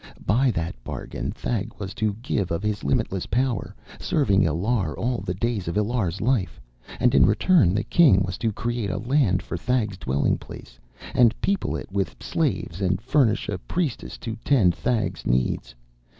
By that bargain Thag was to give of his limitless power, serving Illar all the days of Illar's life, and in return the king was to create a land for Thag's dwelling place and people it with slaves and furnish a priestess to tend Thag's needs.